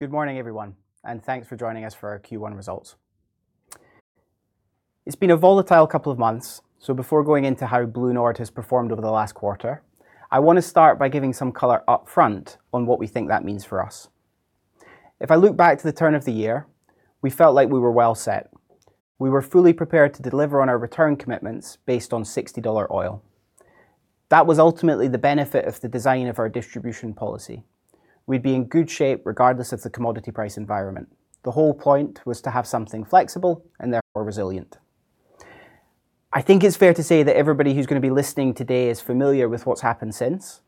Good morning, everyone, thanks for joining us for our Q1 results. It's been a volatile couple of months, before going into how BlueNord has performed over the last quarter, I want to start by giving some color upfront on what we think that means for us. If I look back to the turn of the year, we felt like we were well set. We were fully prepared to deliver on our return commitments based on $60 oil. That was ultimately the benefit of the design of our distribution policy. We'd be in good shape regardless of the commodity price environment. The whole point was to have something flexible and therefore resilient. I think it's fair to say that everybody who's going to be listening today is familiar with what's happened since.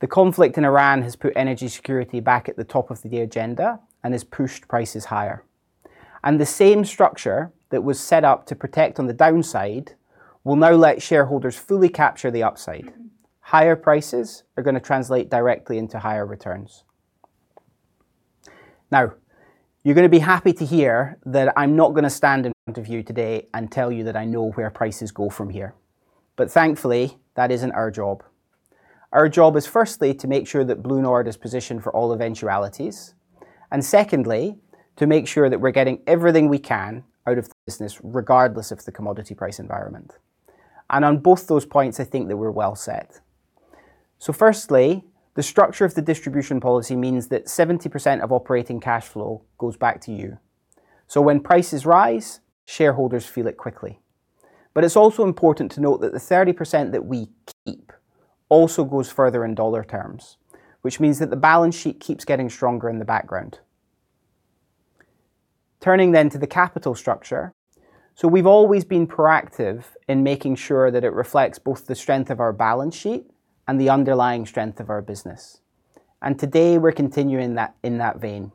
The conflict in Iran has put energy security back at the top of the agenda and has pushed prices higher. The same structure that was set up to protect on the downside will now let shareholders fully capture the upside. Higher prices are going to translate directly into higher returns. You're going to be happy to hear that I'm not going to stand in front of you today and tell you that I know where prices go from here. Thankfully, that isn't our job. Our job is firstly, to make sure that BlueNord is positioned for all eventualities, and secondly, to make sure that we're getting everything we can out of this business, regardless of the commodity price environment. On both those points, I think that we're well set. Firstly, the structure of the distribution policy means that 70% of operating cash flow goes back to you. When prices rise, shareholders feel it quickly. It's also important to note that the 30% that we keep also goes further in dollar terms, which means that the balance sheet keeps getting stronger in the background. Turning to the capital structure. We've always been proactive in making sure that it reflects both the strength of our balance sheet and the underlying strength of our business. Today, we're continuing that, in that vein.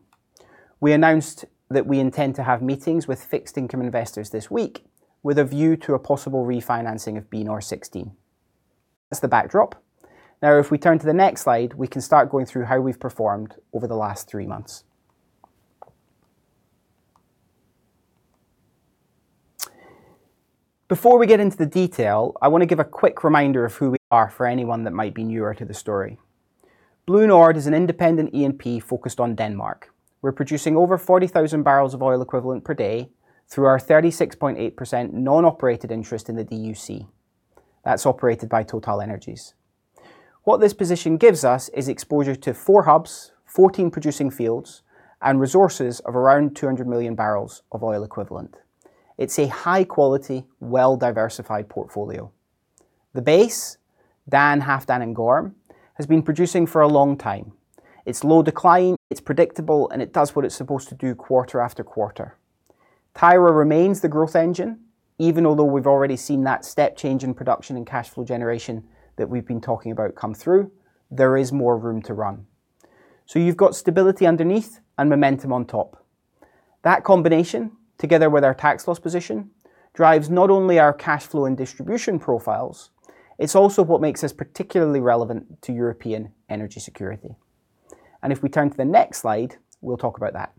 We announced that we intend to have meetings with fixed income investors this week with a view to a possible refinancing of BNOR16. That's the backdrop. If we turn to the next slide, we can start going through how we've performed over the last three months. Before we get into the detail, I want to give a quick reminder of who we are for anyone that might be newer to the story. BlueNord is an independent E&P focused on Denmark. We're producing over 40,000 barrels of oil equivalent per day through our 36.8% non-operated interest in the DUC. That's operated by TotalEnergies. What this position gives us is exposure to four hubs, 14 producing fields, and resources of around 200 million barrels of oil equivalent. It's a high-quality, well-diversified portfolio. The base, Dan, Halfdan, and Gorm, has been producing for a long time. It's low decline, it's predictable, and it does what it's supposed to do quarter after quarter. Tyra remains the growth engine. Even although we've already seen that step change in production and cash flow generation that we've been talking about come through, there is more room to run. You've got stability underneath and momentum on top. That combination, together with our tax loss position, drives not only our cash flow and distribution profiles, it's also what makes us particularly relevant to European energy security. If we turn to the next slide, we'll talk about that.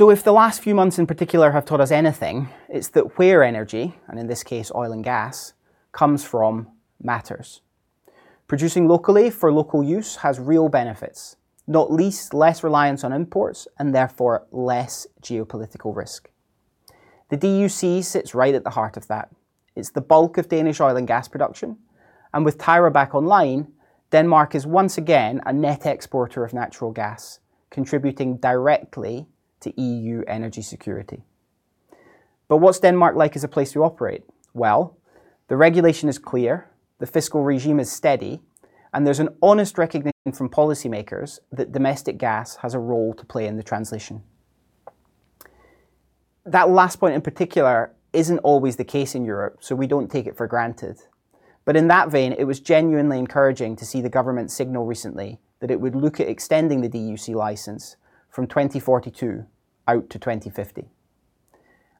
If the last few months in particular have taught us anything, it's that where energy, and in this case oil and gas, comes from matters. Producing locally for local use has real benefits, not least less reliance on imports and therefore less geopolitical risk. The DUC sits right at the heart of that. It's the bulk of Danish oil and gas production, and with Tyra back online, Denmark is once again a net exporter of natural gas, contributing directly to EU energy security. What's Denmark like as a place to operate? Well, the regulation is clear, the fiscal regime is steady, and there's an honest recognition from policymakers that domestic gas has a role to play in the transition. That last point in particular isn't always the case in Europe, we don't take it for granted. In that vein, it was genuinely encouraging to see the government signal recently that it would look at extending the DUC license from 2042 out to 2050.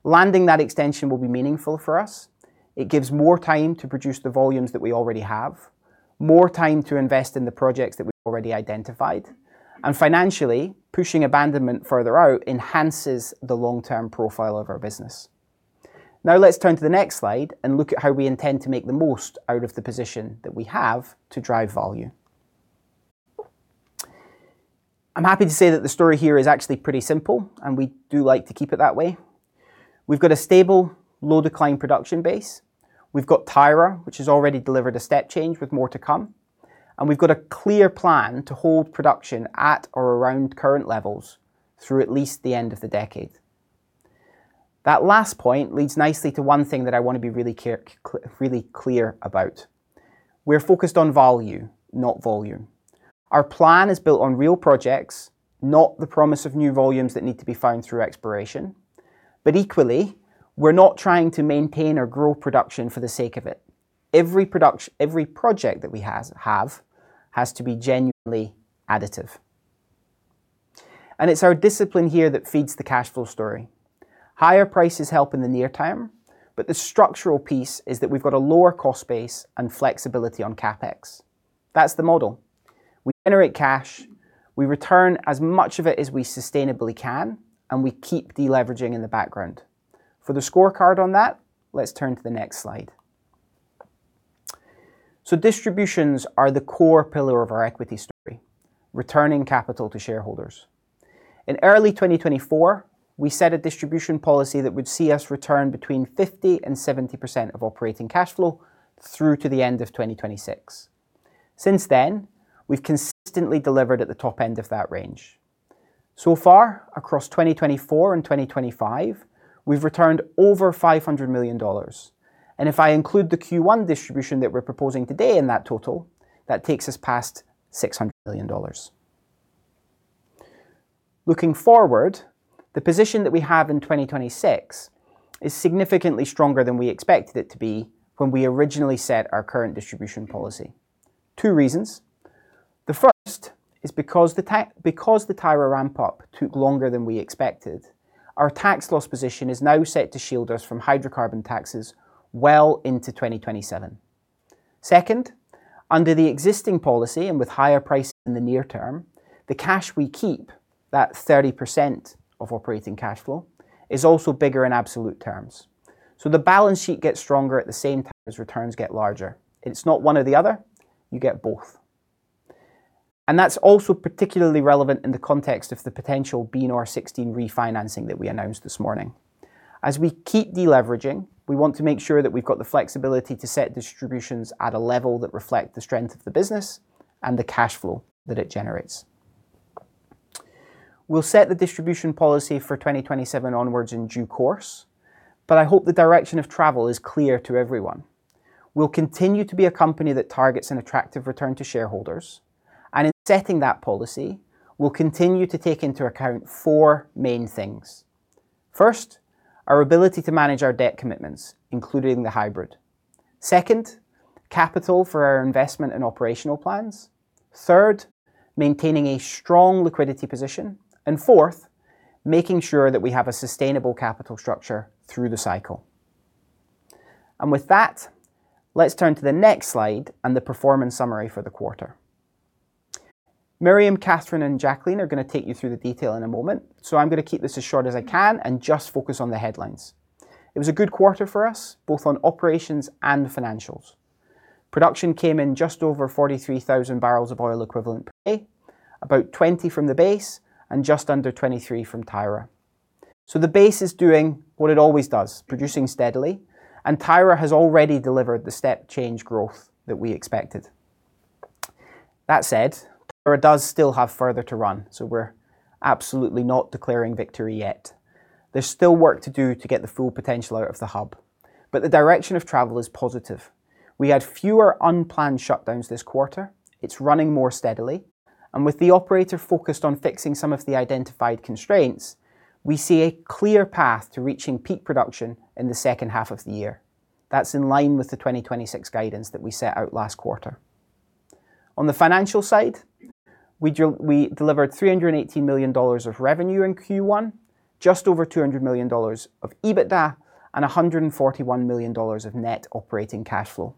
Landing that extension will be meaningful for us. It gives more time to produce the volumes that we already have, more time to invest in the projects that we've already identified, and financially, pushing abandonment further out enhances the long-term profile of our business. Let's turn to the next slide and look at how we intend to make the most out of the position that we have to drive value. I'm happy to say that the story here is actually pretty simple, and we do like to keep it that way. We've got a stable, low-decline production base. We've got Tyra, which has already delivered a step change with more to come. We've got a clear plan to hold production at or around current levels through at least the end of the decade. That last point leads nicely to one thing that I want to be really clear about. We're focused on value, not volume. Our plan is built on real projects, not the promise of new volumes that need to be found through exploration. Equally, we're not trying to maintain or grow production for the sake of it. Every project that we have has to be genuinely additive. It's our discipline here that feeds the cash flow story. Higher prices help in the near term, but the structural piece is that we've got a lower cost base and flexibility on CapEx. That's the model. We generate cash, we return as much of it as we sustainably can, and we keep deleveraging in the background. For the scorecard on that, let's turn to the next slide. Distributions are the core pillar of our equity story, returning capital to shareholders. In early 2024, we set a distribution policy that would see us return between 50% and 70% of operating cash flow through to the end of 2026. Since then, we've consistently delivered at the top end of that range. So far, across 2024 and 2025, we've returned over $500 million. If I include the Q1 distribution that we're proposing today in that total, that takes us past $600 million. Looking forward, the position that we have in 2026 is significantly stronger than we expected it to be when we originally set our current distribution policy. Two reasons. The first is because the Tyra ramp-up took longer than we expected, our tax loss position is now set to shield us from hydrocarbon taxes well into 2027. Under the existing policy and with higher prices in the near term, the cash we keep, that 30% of operating cash flow, is also bigger in absolute terms. The balance sheet gets stronger at the same time as returns get larger. It's not one or the other, you get both. That's also particularly relevant in the context of the potential BNOR16 refinancing that we announced this morning. As we keep de-leveraging, we want to make sure that we've got the flexibility to set distributions at a level that reflect the strength of the business and the cash flow that it generates. We'll set the distribution policy for 2027 onwards in due course, I hope the direction of travel is clear to everyone. We'll continue to be a company that targets an attractive return to shareholders. In setting that policy, we'll continue to take into account four main things. First, our ability to manage our debt commitments, including the hybrid. Second, capital for our investment and operational plans. Third, maintaining a strong liquidity position. Fourth, making sure that we have a sustainable capital structure through the cycle. With that, let's turn to the next slide and the performance summary for the quarter. Miriam, Cathrine, and Jacqueline are going to take you through the detail in a moment, so I'm going to keep this as short as I can and just focus on the headlines. It was a good quarter for us, both on operations and financials. Production came in just over 43,000 barrels of oil equivalent per day, about 20 from the base and just under 23 from Tyra. The base is doing what it always does, producing steadily, and Tyra has already delivered the step change growth that we expected. That said, Tyra does still have further to run, so we're absolutely not declaring victory yet. There's still work to do to get the full potential out of the hub, but the direction of travel is positive. We had fewer unplanned shutdowns this quarter. It's running more steadily. With the operator focused on fixing some of the identified constraints, we see a clear path to reaching peak production in the second half of the year. That's in line with the 2026 guidance that we set out last quarter. On the financial side, we delivered $318 million of revenue in Q1, just over $200 million of EBITDA, and $141 million of net operating cash flow.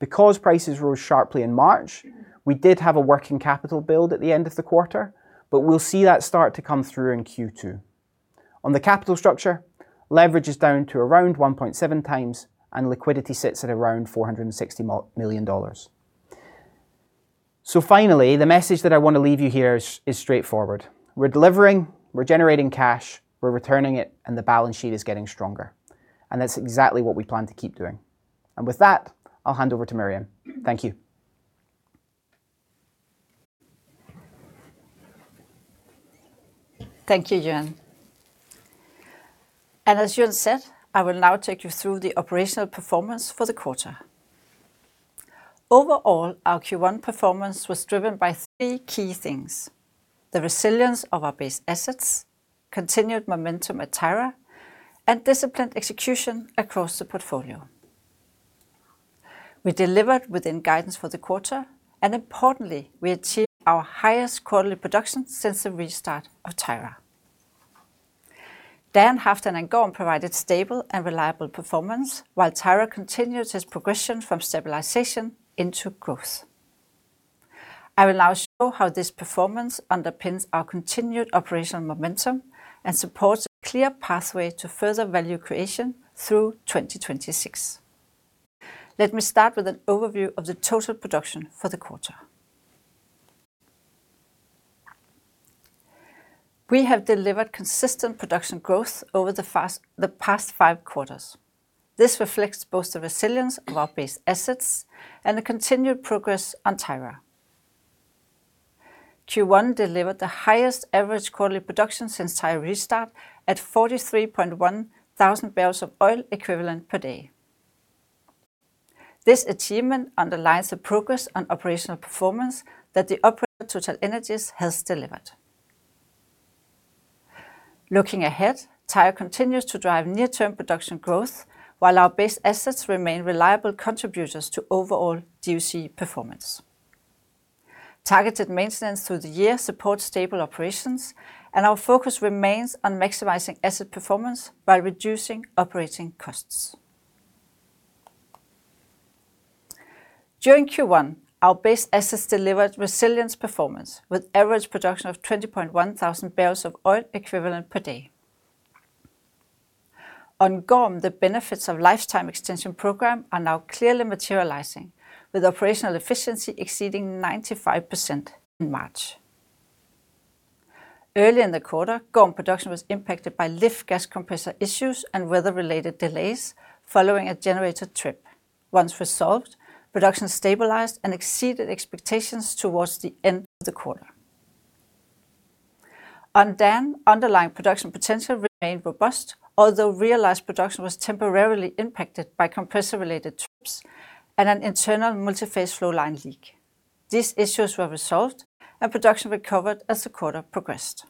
Prices rose sharply in March, we did have a working capital build at the end of the quarter, but we'll see that start to come through in Q2. On the capital structure, leverage is down to around 1.7 times, liquidity sits at around $460 million. Finally, the message that I want to leave you here is straightforward. We're delivering, we're generating cash, we're returning it, the balance sheet is getting stronger. That's exactly what we plan to keep doing. With that, I'll hand over to Miriam. Thank you. Thank you, Euan. As Euan said, I will now take you through the operational performance for the quarter. Overall, our Q1 performance was driven by three key things: the resilience of our base assets, continued momentum at Tyra, and disciplined execution across the portfolio. We delivered within guidance for the quarter, and importantly, we achieved our highest quarterly production since the restart of Tyra. Dan, Halfdan, and Gorm provided stable and reliable performance, while Tyra continues its progression from stabilization into growth. I will now show how this performance underpins our continued operational momentum and supports a clear pathway to further value creation through 2026. Let me start with an overview of the total production for the quarter. We have delivered consistent production growth over the past five quarters. This reflects both the resilience of our base assets and the continued progress on Tyra. Q1 delivered the highest average quarterly production since Tyra restart at 43.1 thousand barrels of oil equivalent per day. This achievement underlines the progress on operational performance that the operator, TotalEnergies, has delivered. Looking ahead, Tyra continues to drive near-term production growth, while our base assets remain reliable contributors to overall DUC performance. Targeted maintenance through the year supports stable operations, and our focus remains on maximizing asset performance by reducing operating costs. During Q1, our base assets delivered resilience performance, with average production of 20.1 thousand barrels of oil equivalent per day. On Gorm, the benefits of lifetime extension program are now clearly materializing, with operational efficiency exceeding 95% in March. Early in the quarter, Gorm production was impacted by lift gas compressor issues and weather-related delays following a generator trip. Once resolved, production stabilized and exceeded expectations towards the end of the quarter. On Dan, underlying production potential remained robust, although realized production was temporarily impacted by compressor-related trips and an internal multiphase flow line leak. These issues were resolved, and production recovered as the quarter progressed.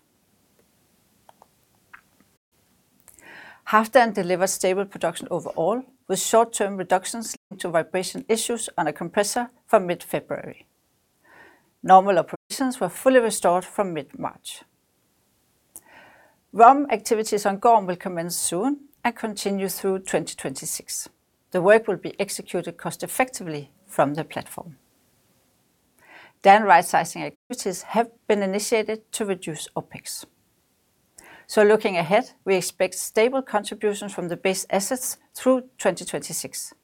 Halfdan delivered stable production overall, with short-term reductions linked to vibration issues on a compressor from mid-February. Normal operations were fully restored from mid-March. ROM activities on Gorm will commence soon and continue through 2026. The work will be executed cost-effectively from the platform. Dan rightsizing activities have been initiated to reduce OpEx. Looking ahead, we expect stable contribution from the base assets through 2026.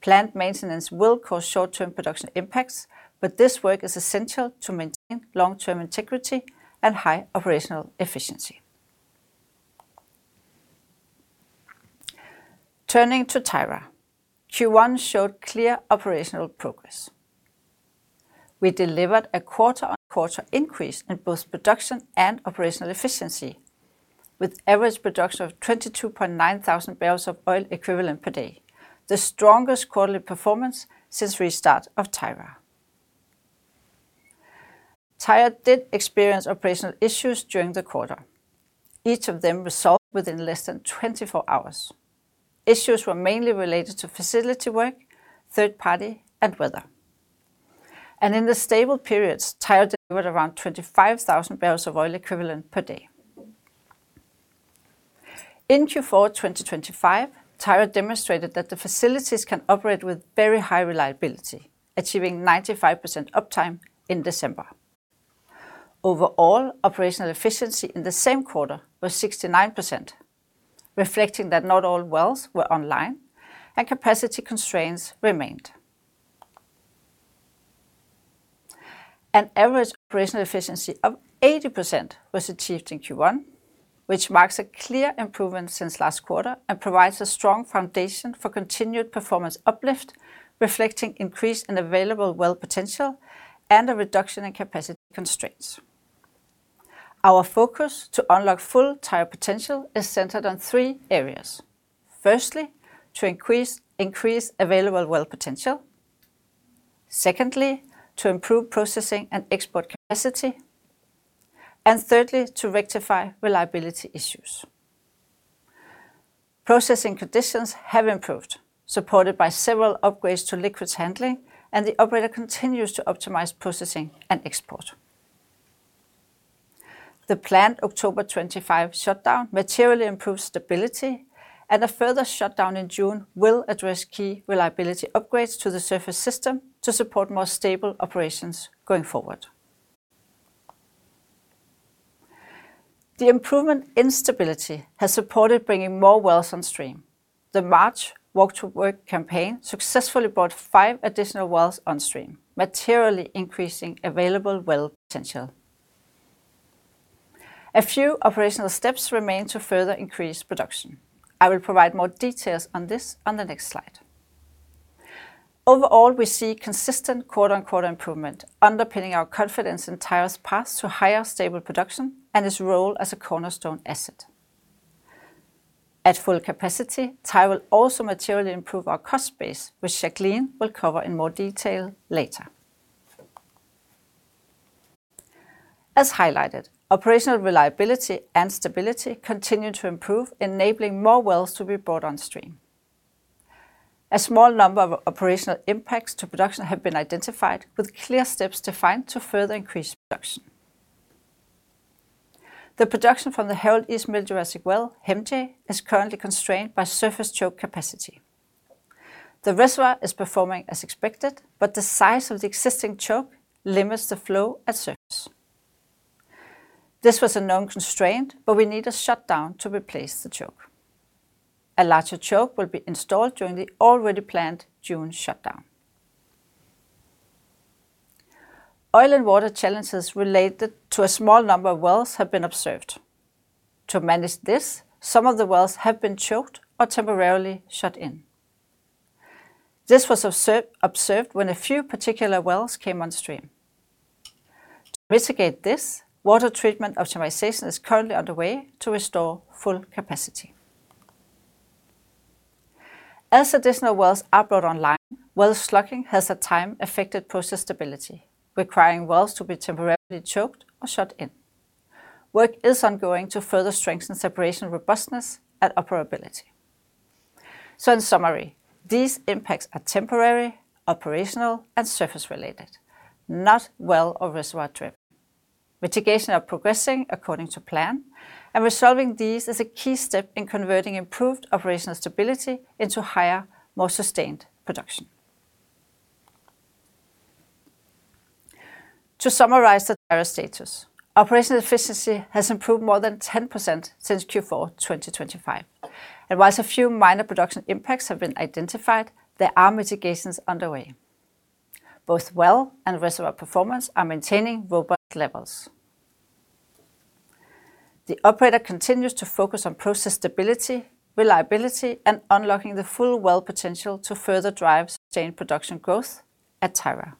Planned maintenance will cause short-term production impacts, but this work is essential to maintain long-term integrity and high operational efficiency. Turning to Tyra, Q1 showed clear operational progress. We delivered a quarter-on-quarter increase in both production and operational efficiency, with average production of 22.9 thousand BOE per day, the strongest quarterly performance since restart of Tyra. Tyra did experience operational issues during the quarter, each of them resolved within less than 24 hrs. Issues were mainly related to facility work, third party, and weather. In the stable periods, Tyra delivered around 25 thousand BOE per day. In Q4 2025, Tyra demonstrated that the facilities can operate with very high reliability, achieving 95% uptime in December. Overall, operational efficiency in the same quarter was 69%, reflecting that not all wells were online and capacity constraints remained. An average operational efficiency of 80% was achieved in Q1, which marks a clear improvement since last quarter and provides a strong foundation for continued performance uplift, reflecting increase in available well potential and a reduction in capacity constraints. Our focus to unlock full Tyra potential is centered on three areas. Firstly, to increase available well potential. Secondly, to improve processing and export capacity. Thirdly, to rectify reliability issues. Processing conditions have improved, supported by several upgrades to liquids handling, and the operator continues to optimize processing and export. The planned October 25 shutdown materially improves stability, and a further shutdown in June will address key reliability upgrades to the surface system to support more stable operations going forward. The improvement in stability has supported bringing more wells on stream. The March walk-to-work campaign successfully brought five additional wells on stream, materially increasing available well potential. A few operational steps remain to further increase production. I will provide more details on this on the next slide. Overall, we see consistent quarter-on-quarter improvement underpinning our confidence in Tyra's path to higher stable production and its role as a cornerstone asset. At full capacity, Tyra will also materially improve our cost base, which Jacqueline will cover in more detail later. As highlighted, operational reliability and stability continue to improve, enabling more wells to be brought on stream. A small number of operational impacts to production have been identified with clear steps defined to further increase production. The production from the Harald East Middle Jurassic well, HEMJ, is currently constrained by surface choke capacity. The reservoir is performing as expected, but the size of the existing choke limits the flow at surface. This was a known constraint, but we need a shutdown to replace the choke. A larger choke will be installed during the already planned June shutdown. Oil and water challenges related to a small number of wells have been observed. To manage this, some of the wells have been choked or temporarily shut in. This was observed when a few particular wells came on stream. To mitigate this, water treatment optimization is currently underway to restore full capacity. As additional wells are brought online, well slugging has, at times, affected process stability, requiring wells to be temporarily choked or shut in. Work is ongoing to further strengthen separation robustness and operability. In summary, these impacts are temporary, operational, and surface related, not well or reservoir driven. Mitigations are progressing according to plan. Resolving these is a key step in converting improved operational stability into higher, more sustained production. To summarize the current status, operational efficiency has improved more than 10% since Q4 2025. Whilst a few minor production impacts have been identified, there are mitigations underway. Both well and reservoir performance are maintaining robust levels. The operator continues to focus on process stability, reliability, and unlocking the full well potential to further drive sustained production growth at Tyra.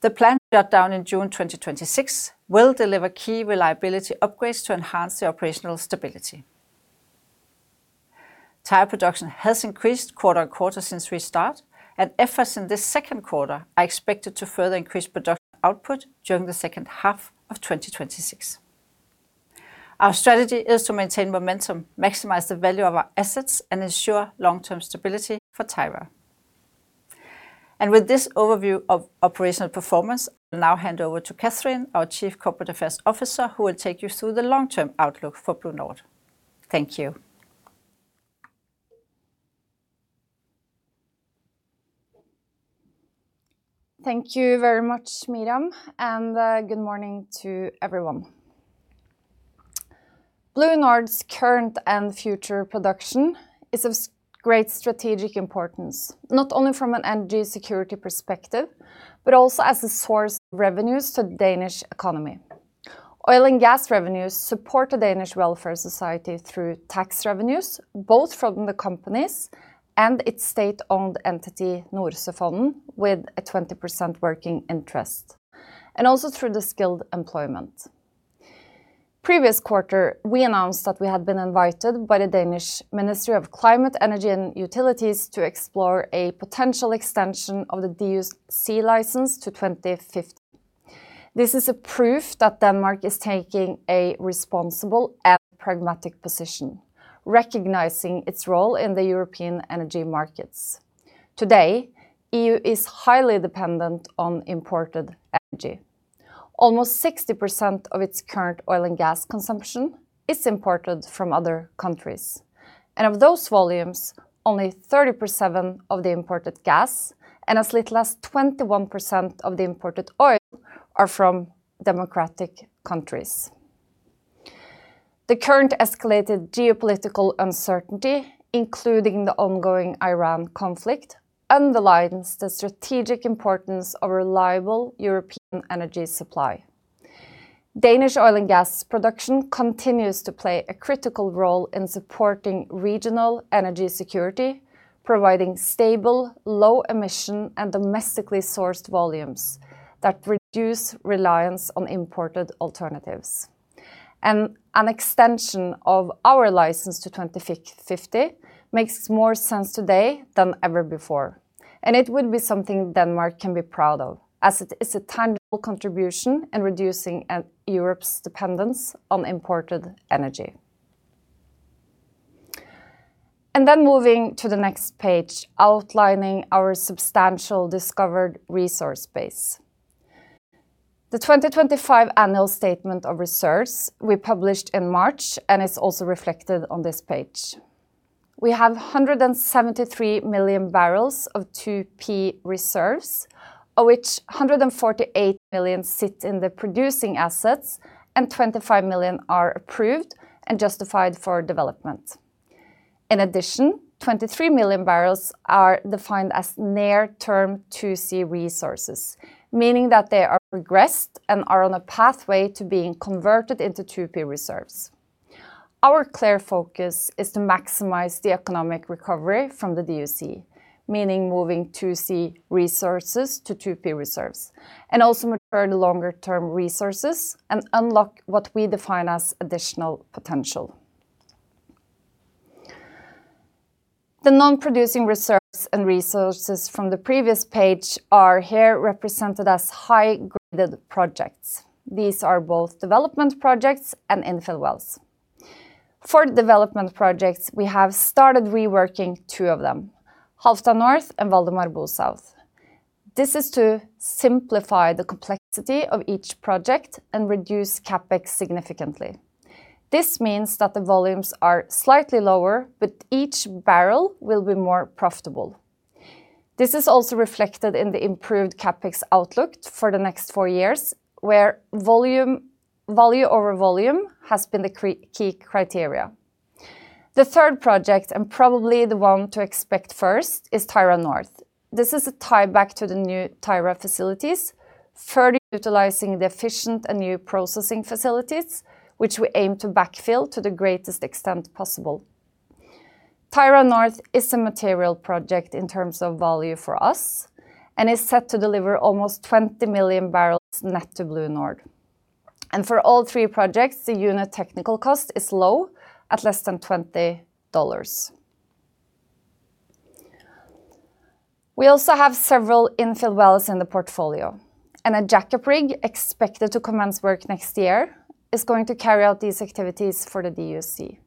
The planned shutdown in June 2026 will deliver key reliability upgrades to enhance the operational stability. Tyra production has increased quarter on quarter since restart. Efforts in this second quarter are expected to further increase production output during the second half of 2026. Our strategy is to maintain momentum, maximize the value of our assets, and ensure long-term stability for Tyra. With this overview of operational performance, I'll now hand over to Cathrine, our Chief Corporate Affairs Officer, who will take you through the long-term outlook for BlueNord. Thank you. Thank you very much, Miriam, and good morning to everyone. BlueNord's current and future production is of great strategic importance, not only from an energy security perspective but also as a source of revenues to Danish economy. Oil and gas revenues support the Danish welfare society through tax revenues, both from the companies and its state-owned entity Nordsøfonden with a 20% working interest, and also through the skilled employment. Previous quarter, we announced that we had been invited by the Danish Ministry of Climate, Energy and Utilities to explore a potential extension of the DUC license to 2050. This is a proof that Denmark is taking a responsible and pragmatic position, recognizing its role in the European energy markets. Today, EU is highly dependent on imported energy. Almost 60% of its current oil and gas consumption is imported from other countries. Of those volumes, only 30% of the imported gas and as little as 21% of the imported oil are from democratic countries. The current escalated geopolitical uncertainty, including the ongoing Iran conflict, underlines the strategic importance of reliable European energy supply. Danish oil and gas production continues to play a critical role in supporting regional energy security, providing stable, low emission, and domestically sourced volumes that reduce reliance on imported alternatives. An extension of our license to 50 makes more sense today than ever before. It would be something Denmark can be proud of, as it is a tangible contribution in reducing Europe's dependence on imported energy. Moving to the next page outlining our substantial discovered resource base. The 2025 annual statement of reserves we published in March, and it's also reflected on this page. We have 173 million barrels of 2P reserves, of which 148 million sit in the producing assets and 25 million are approved and justified for development. In addition, 23 million barrels are defined as near-term 2C resources, meaning that they are progressed and are on a pathway to being converted into 2P reserves. Our clear focus is to maximize the economic recovery from the DUC, meaning moving 2C resources to 2P reserves, and also mature the longer-term resources and unlock what we define as additional potential. The non-producing reserves and resources from the previous page are here represented as high-graded projects. These are both development projects and infill wells. For development projects, we have started reworking two of them, Halfdan North and Valdemar South. This is to simplify the complexity of each project and reduce CapEx significantly. This means that the volumes are slightly lower, but each barrel will be more profitable. This is also reflected in the improved CapEx outlook for the next four years, where value over volume has been the key criteria. The third project, and probably the one to expect first, is Tyra North. This is a tieback to the new Tyra facilities, further utilizing the efficient and new processing facilities, which we aim to backfill to the greatest extent possible. Tyra North is a material project in terms of value for us and is set to deliver almost 20 million barrels net to BlueNord. For all three projects, the unit technical cost is low at less than $20. We also have several infill wells in the portfolio, and a jackup rig expected to commence work next year is going to carry out these activities for the DUC.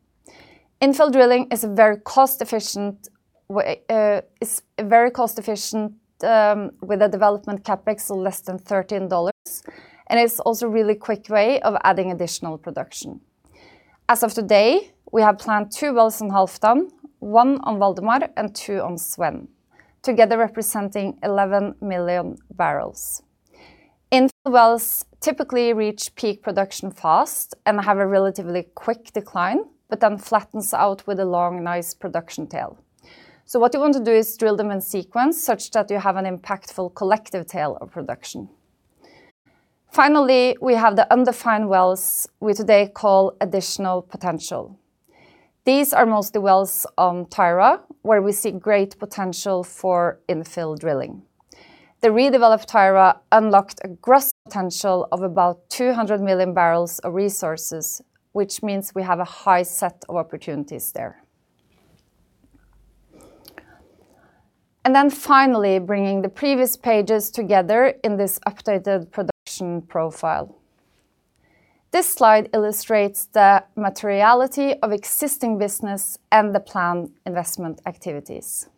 Infill drilling is a very cost efficient, with a development CapEx of less than $13, and it's also a really quick way of adding additional production. As of today, we have planned two wells in Halfdan, one on Valdemar and two on Svend, together representing 11 million barrels. Infill wells typically reach peak production fast and have a relatively quick decline, but then flattens out with a long, nice production tail. What you want to do is drill them in sequence such that you have an impactful collective tail of production. Finally, we have the undefined wells we today call additional potential. These are mostly wells on Tyra, where we see great potential for infill drilling. The redeveloped Tyra unlocked a gross potential of about 200 million barrels of resources, which means we have a high set of opportunities there. Finally, bringing the previous pages together in this updated production profile. This slide illustrates the materiality of existing business and the planned investment activities.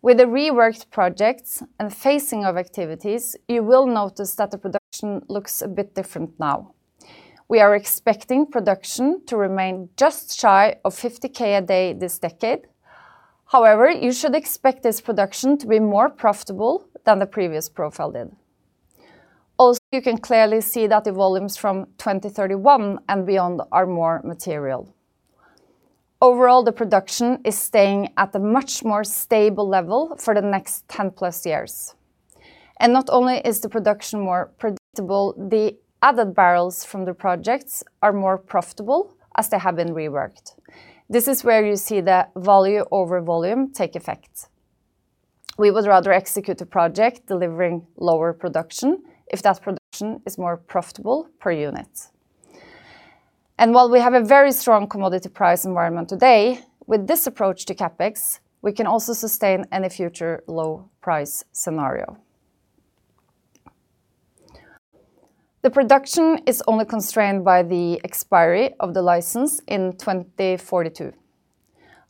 With the reworked projects and phasing of activities, you will notice that the production looks a bit different now. We are expecting production to remain just shy of 50,000 a day this decade. You should expect this production to be more profitable than the previous profile did. You can clearly see that the volumes from 2031 and beyond are more material. The production is staying at a much more stable level for the next 10 plus years. Not only is the production more predictable, the added barrels from the projects are more profitable as they have been reworked. This is where you see the value over volume take effect. We would rather execute a project delivering lower production if that production is more profitable per unit. While we have a very strong commodity price environment today, with this approach to CapEx, we can also sustain any future low price scenario. The production is only constrained by the expiry of the license in 2042.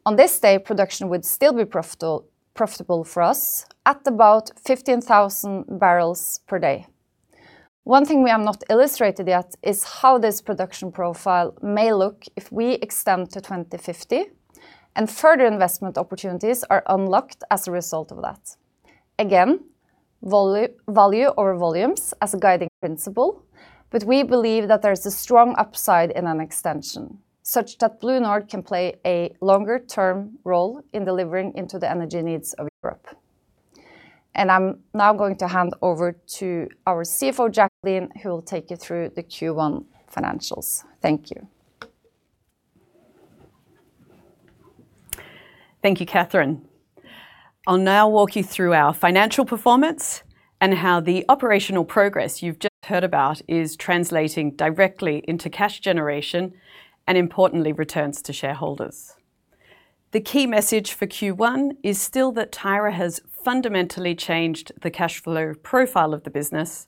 On this day, production would still be profitable for us at about 15,000 barrels per day. One thing we have not illustrated yet is how this production profile may look if we extend to 2050 and further investment opportunities are unlocked as a result of that. value over volumes as a guiding principle, we believe that there's a strong upside in an extension such that BlueNord can play a longer term role in delivering into the energy needs of Europe. I'm now going to hand over to our CFO, Jacqueline, who will take you through the Q1 financials. Thank you. Thank you, Cathrine. I'll now walk you through our financial performance and how the operational progress you've just heard about is translating directly into cash generation and importantly returns to shareholders. The key message for Q1 is still that Tyra has fundamentally changed the cash flow profile of the business,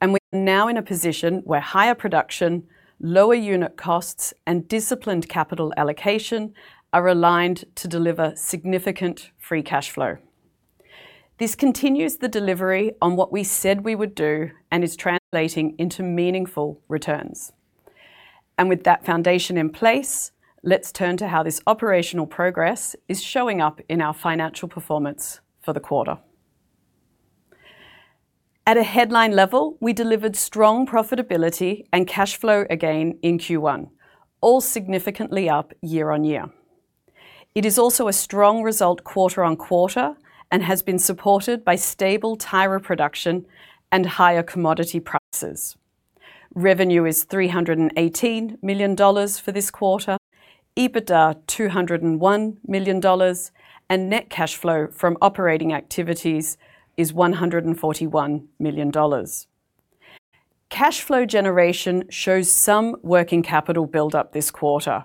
and we're now in a position where higher production, lower unit costs, and disciplined capital allocation are aligned to deliver significant free cash flow. This continues the delivery on what we said we would do and is translating into meaningful returns. With that foundation in place, let's turn to how this operational progress is showing up in our financial performance for the quarter. At a headline level, we delivered strong profitability and cash flow again in Q1, all significantly up year-on-year. It is also a strong result quarter-on-quarter and has been supported by stable Tyra production and higher commodity prices. Revenue is $318 million for this quarter, EBITDA $201 million, and net cash flow from operating activities is $141 million. Cash flow generation shows some working capital build up this quarter.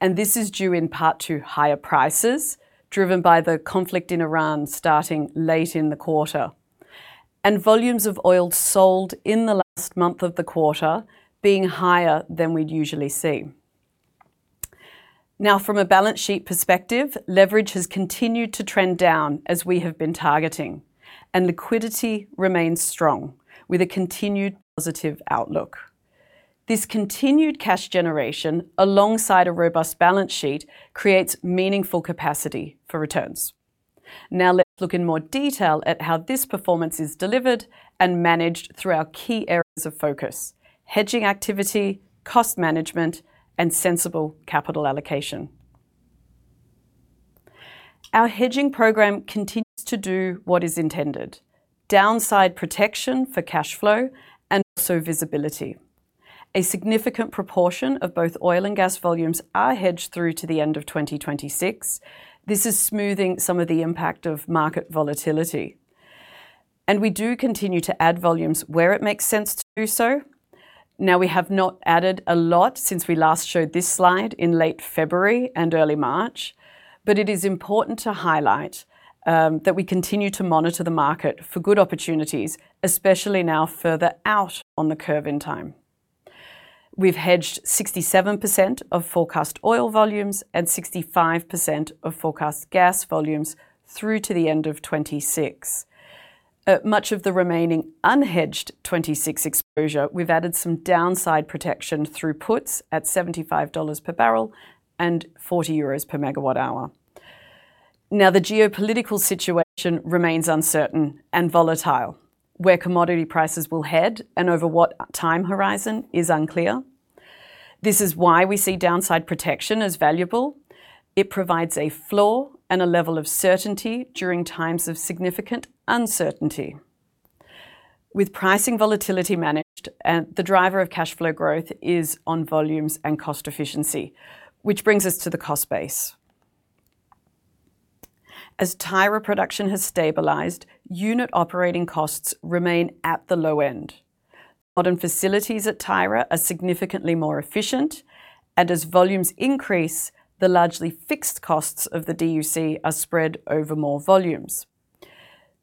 This is due in part to higher prices driven by the conflict in Iran starting late in the quarter, and volumes of oil sold in the last month of the quarter being higher than we’d usually see. From a balance sheet perspective, leverage has continued to trend down as we have been targeting. Liquidity remains strong with a continued positive outlook. This continued cash generation alongside a robust balance sheet creates meaningful capacity for returns. Now let's look in more detail at how this performance is delivered and managed through our key areas of focus: hedging activity, cost management, and sensible capital allocation. Our hedging program continues to do what is intended, downside protection for cash flow and also visibility. A significant proportion of both oil and gas volumes are hedged through to the end of 2026. This is smoothing some of the impact of market volatility. We do continue to add volumes where it makes sense to do so. Now, we have not added a lot since we last showed this slide in late February and early March, but it is important to highlight that we continue to monitor the market for good opportunities, especially now further out on the curve in time. We've hedged 67% of forecast oil volumes and 65% of forecast gas volumes through to the end of 2026. Much of the remaining unhedged 2026 exposure, we've added some downside protection through puts at $75 per barrel and 40 euros per megawatt hour. The geopolitical situation remains uncertain and volatile. Where commodity prices will head and over what time horizon is unclear. This is why we see downside protection as valuable. It provides a floor and a level of certainty during times of significant uncertainty. With pricing volatility managed, the driver of cash flow growth is on volumes and cost efficiency, which brings us to the cost base. As Tyra production has stabilized, unit operating costs remain at the low end. Modern facilities at Tyra are significantly more efficient, and as volumes increase, the largely fixed costs of the DUC are spread over more volumes.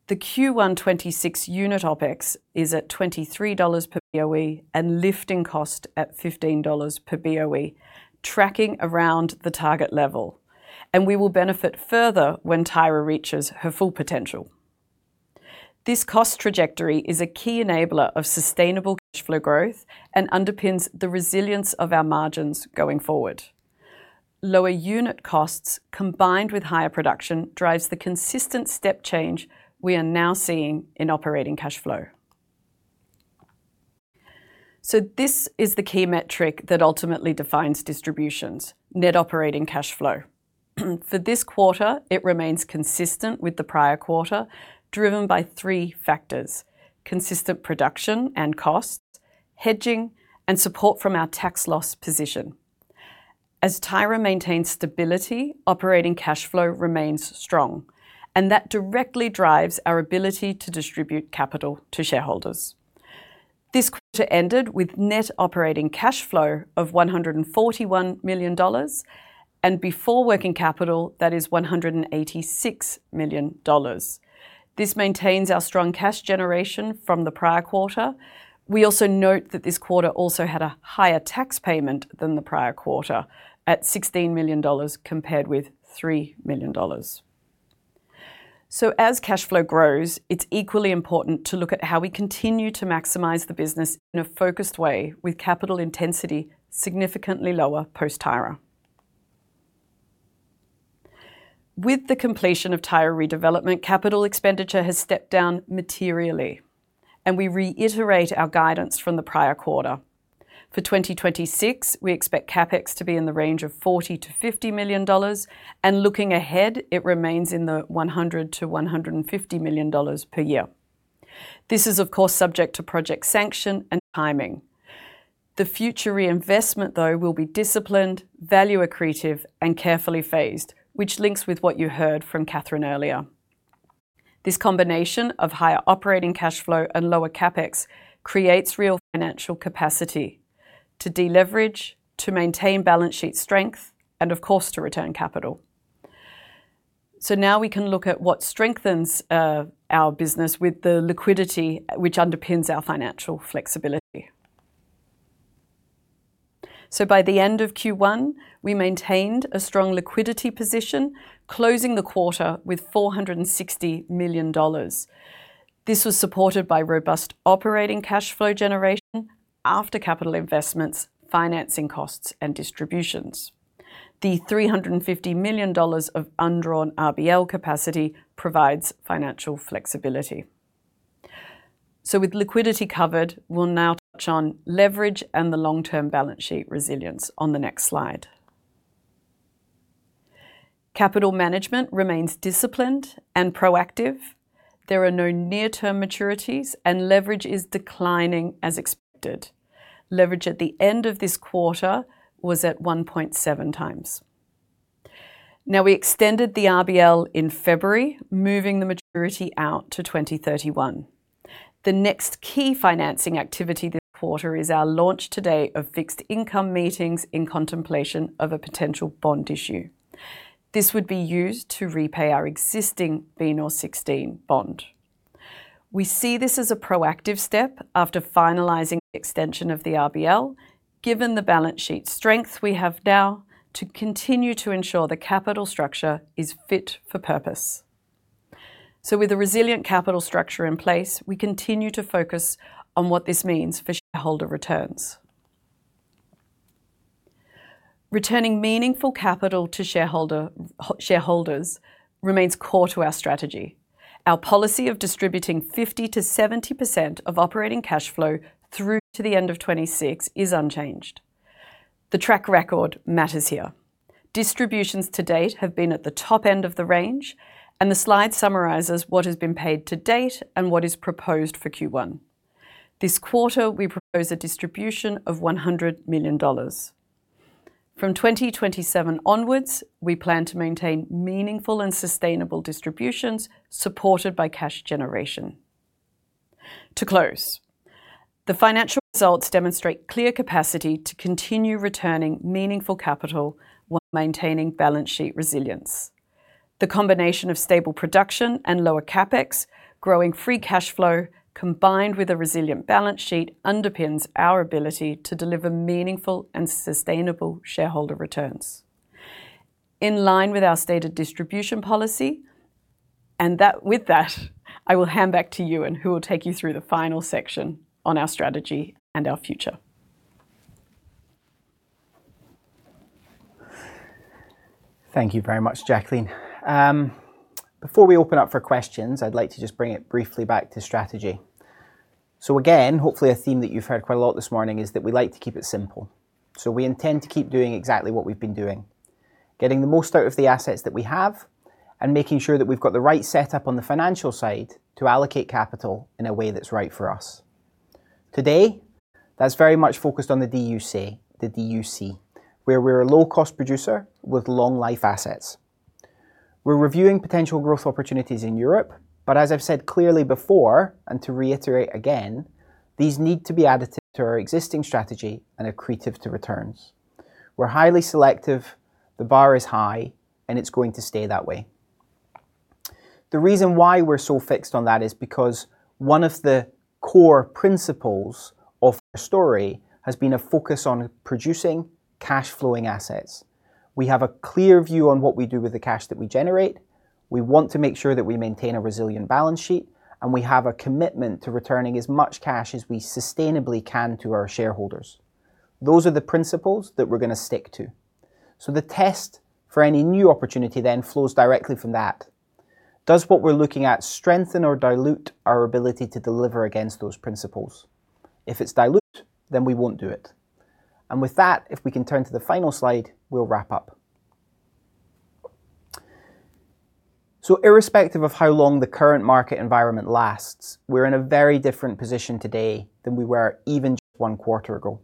The Q126 unit OpEx is at $23 per BOE and lifting cost at $15 per BOE, tracking around the target level. We will benefit further when Tyra reaches her full potential. This cost trajectory is a key enabler of sustainable cash flow growth and underpins the resilience of our margins going forward. Lower unit costs combined with higher production drives the consistent step change we are now seeing in operating cash flow. This is the key metric that ultimately defines distributions, net operating cash flow. For this quarter, it remains consistent with the prior quarter, driven by three factors: consistent production and costs, hedging, and support from our tax loss position. As Tyra maintains stability, operating cash flow remains strong, and that directly drives our ability to distribute capital to shareholders. This quarter ended with net operating cash flow of $141 million, before working capital, that is $186 million. This maintains our strong cash generation from the prior quarter. We also note that this quarter also had a higher tax payment than the prior quarter at $16 million compared with $3 million. As cash flow grows, it's equally important to look at how we continue to maximize the business in a focused way with capital intensity significantly lower post-Tyra. With the completion of Tyra redevelopment, capital expenditure has stepped down materially, we reiterate our guidance from the prior quarter. For 2026, we expect CapEx to be in the range of $40 million-$50 million, looking ahead, it remains in the $100 million-$150 million per year. This is of course, subject to project sanction and timing. The future reinvestment though will be disciplined, value accretive, and carefully phased, which links with what you heard from Cathrine earlier. This combination of higher operating cash flow and lower CapEx creates real financial capacity to deleverage, to maintain balance sheet strength, and of course, to return capital. Now we can look at what strengthens our business with the liquidity, which underpins our financial flexibility. By the end of Q1, we maintained a strong liquidity position, closing the quarter with $460 million. This was supported by robust operating cash flow generation after capital investments, financing costs, and distributions. The $350 million of undrawn RBL capacity provides financial flexibility. With liquidity covered, we'll now touch on leverage and the long-term balance sheet resilience on the next slide. Capital management remains disciplined and proactive. There are no near-term maturities, and leverage is declining as expected. Leverage at the end of this quarter was at 1.7x. We extended the RBL in February, moving the maturity out to 2031. The next key financing activity this quarter is our launch today of fixed income meetings in contemplation of a potential bond issue. This would be used to repay our existing BNOR16 bond. We see this as a proactive step after finalizing extension of the RBL, given the balance sheet strength we have now to continue to ensure the capital structure is fit for purpose. With a resilient capital structure in place, we continue to focus on what this means for shareholder returns. Returning meaningful capital to shareholders remains core to our strategy. Our policy of distributing 50%-70% of operating cash flow through to the end of 2026 is unchanged. The track record matters here. Distributions to date have been at the top end of the range, and the slide summarizes what has been paid to date and what is proposed for Q1. This quarter, we propose a distribution of $100 million. From 2027 onwards, we plan to maintain meaningful and sustainable distributions supported by cash generation. To close, the financial results demonstrate clear capacity to continue returning meaningful capital while maintaining balance sheet resilience. The combination of stable production and lower CapEx, growing free cash flow, combined with a resilient balance sheet underpins our ability to deliver meaningful and sustainable shareholder returns, in line with our stated distribution policy. That, with that, I will hand back to Euan, who will take you through the final section on our strategy and our future. Thank you very much, Jacqueline. Before we open up for questions, I'd like to just bring it briefly back to strategy. Again, hopefully a theme that you've heard quite a lot this morning, is that we like to keep it simple. We intend to keep doing exactly what we've been doing. Getting the most out of the assets that we have, and making sure that we've got the right setup on the financial side to allocate capital in a way that's right for us. Today, that's very much focused on the DUC, where we're a low-cost producer with long life assets. We're reviewing potential growth opportunities in Europe, as I've said clearly before, and to reiterate again, these need to be additive to our existing strategy and accretive to returns. We're highly selective, the bar is high, it's going to stay that way. The reason why we're so fixed on that is because one of the core principles of our story has been a focus on producing cash-flowing assets. We have a clear view on what we do with the cash that we generate. We want to make sure that we maintain a resilient balance sheet, and we have a commitment to returning as much cash as we sustainably can to our shareholders. Those are the principles that we're gonna stick to. The test for any new opportunity then flows directly from that. Does what we're looking at strengthen or dilute our ability to deliver against those principles? If it's dilute, then we won't do it. With that, if we can turn to the final slide, we'll wrap up. Irrespective of how long the current market environment lasts, we're in a very different position today than we were even just one quarter ago.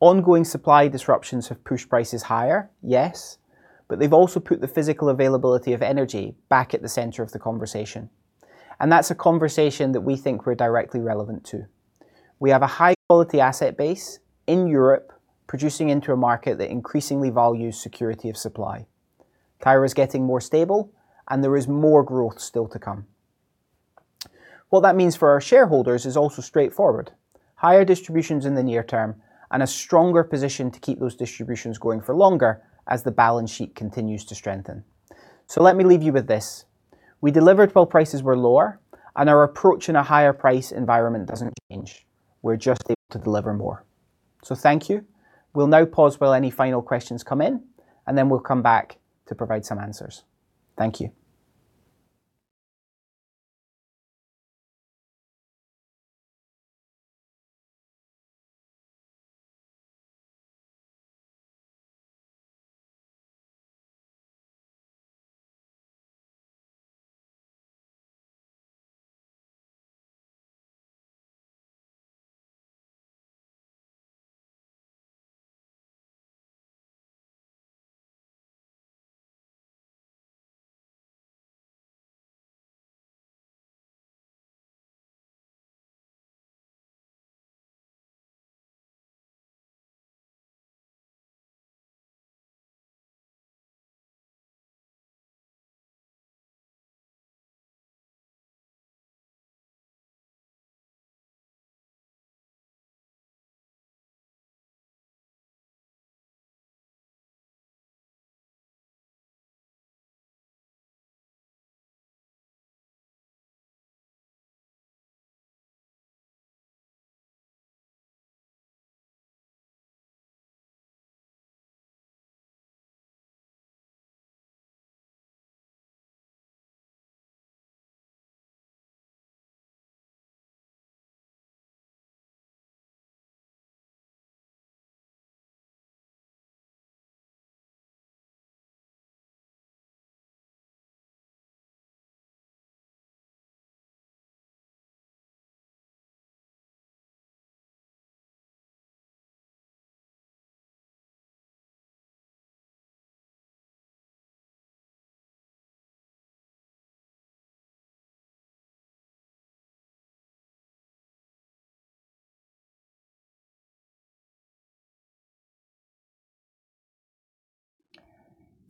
Ongoing supply disruptions have pushed prices higher, yes, but they've also put the physical availability of energy back at the center of the conversation. That's a conversation that we think we're directly relevant to. We have a high-quality asset base in Europe producing into a market that increasingly values security of supply. Tyra's getting more stable, and there is more growth still to come. What that means for our shareholders is also straightforward. Higher distributions in the near term, and a stronger position to keep those distributions going for longer as the balance sheet continues to strengthen. Let me leave you with this. We delivered while prices were lower, and our approach in a higher price environment doesn't change. We're just able to deliver more. Thank you. We'll now pause while any final questions come in, and then we'll come back to provide some answers. Thank you.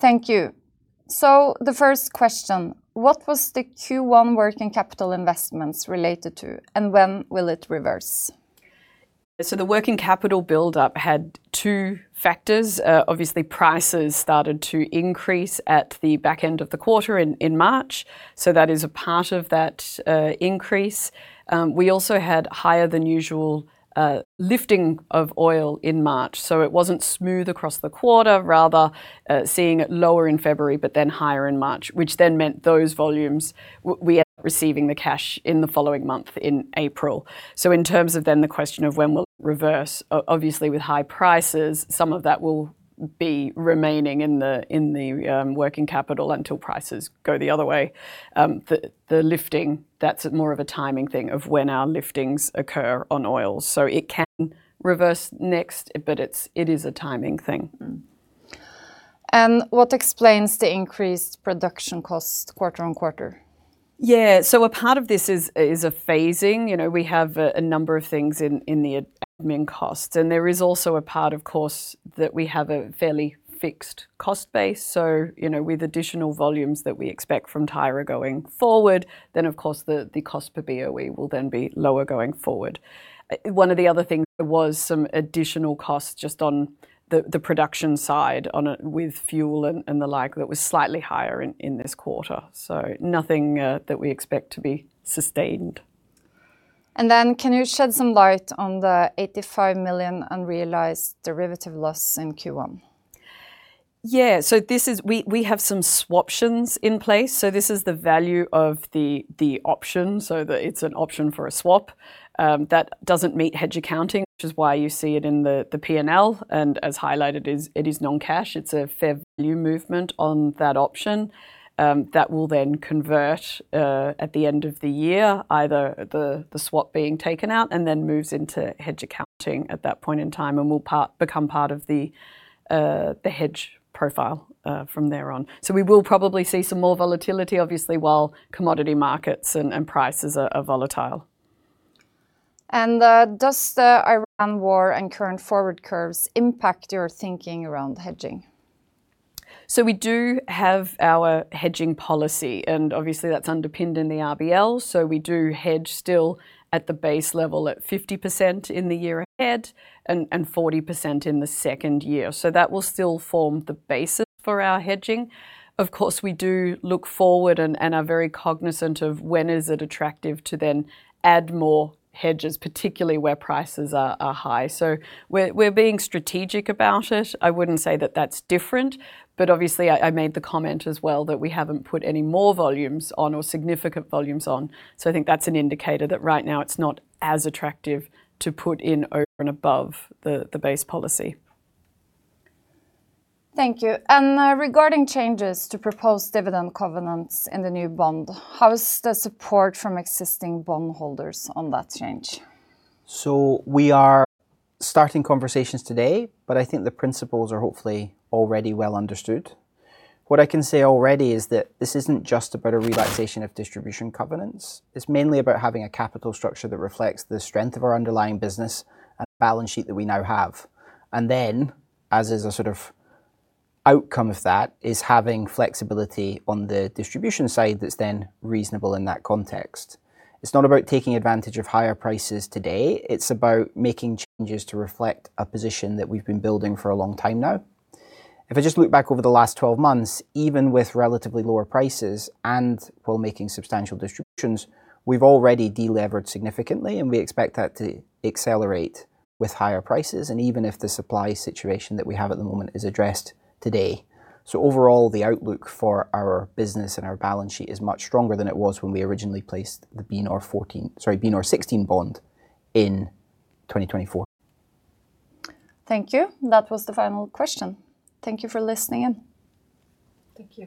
Thank you. The first question, what was the Q1 working capital investments related to, and when will it reverse? The working capital buildup had two factors. Obviously prices started to increase at the back end of the quarter in March, that is a part of that increase. We also had higher than usual lifting of oil in March. It wasn't smooth across the quarter, rather, seeing it lower in February, but then higher in March, which then meant those volumes, we are receiving the cash in the following month, in April. In terms of the question of when will it reverse, obviously with high prices, some of that will be remaining in the working capital until prices go the other way. The lifting, that's more of a timing thing of when our liftings occur on oil. It can reverse next, but it is a timing thing. What explains the increased production cost quarter-on-quarter? A part of this is a phasing. You know, we have a number of things in the admin costs, there is also a part, of course, that we have a fairly fixed cost base. You know, with additional volumes that we expect from Tyra going forward, then of course the cost per BOE will then be lower going forward. One of the other things, there was some additional costs just on the production side with fuel and the like that was slightly higher in this quarter. Nothing that we expect to be sustained. Can you shed some light on the $85 million unrealized derivative loss in Q1? This is, we have some swaption in place, so this is the value of the option, so the, it's an option for a swap. That doesn't meet hedge accounting, which is why you see it in the P&L, and as highlighted is, it is non-cash. It's a fair value movement on that option that will then convert at the end of the year, either the swap being taken out, and then moves into hedge accounting at that point in time, and will become part of the hedge profile from thereon. We will probably see some more volatility, obviously, while commodity markets and prices are volatile. Does the Iran war and current forward curves impact your thinking around hedging? We do have our hedging policy, and obviously that's underpinned in the RBL. We do hedge still at the base level at 50% in the year ahead, and 40% in the second year. That will still form the basis for our hedging. Of course, we do look forward and are very cognizant of when is it attractive to then add more hedges, particularly where prices are high. We're being strategic about it. I wouldn't say that that's different, but obviously I made the comment as well that we haven't put any more volumes on or significant volumes on. I think that's an indicator that right now it's not as attractive to put in over and above the base policy. Thank you. Regarding changes to proposed dividend covenants in the new bond, how is the support from existing bondholders on that change? We are starting conversations today, but I think the principles are hopefully already well understood. What I can say already is that this isn't just about a relaxation of distribution covenants. It's mainly about having a capital structure that reflects the strength of our underlying business and the balance sheet that we now have. As is a sort of outcome of that, is having flexibility on the distribution side that's then reasonable in that context. It's not about taking advantage of higher prices today. It's about making changes to reflect a position that we've been building for a long time now. If I just look back over the last 12 months, even with relatively lower prices and while making substantial distributions, we've already de-levered significantly, and we expect that to accelerate with higher prices, and even if the supply situation that we have at the moment is addressed today. Overall, the outlook for our business and our balance sheet is much stronger than it was when we originally placed the BNOR14, sorry, BNOR16 bond in 2024. Thank you. That was the final question. Thank you for listening in. Thank you.